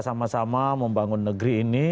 sama sama membangun negeri ini